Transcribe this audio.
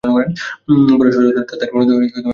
পরে সহযোদ্ধারা তাঁদের মরদেহ সমাহিত করেন সেখানেই।